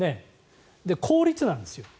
効率なんですよ。